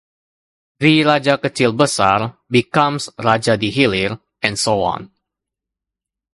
The Raja Kechil Besar, becomes Raja di-Hilir, and so on.